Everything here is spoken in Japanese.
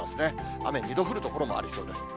雨、２度降る所もありそうです。